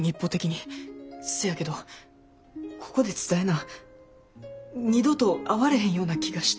せやけどここで伝えな二度と会われへんような気がして。